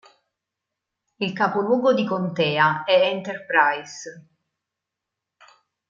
Il capoluogo di contea è Enterprise.